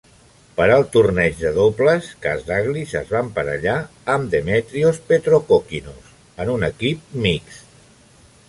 Per al torneig de dobles, Kasdaglis es va emparellar amb Demetrios Petrokokkinos en un equip mixt.